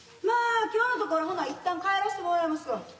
まあ今日のところはほな一旦帰らしてもらいますわ。